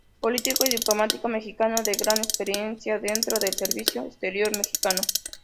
Político y diplomático mexicano, de gran experiencia dentro del Servicio Exterior Mexicano.